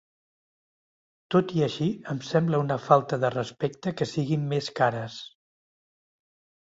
Tot i així em sembla una falta de respecte que siguin més cares.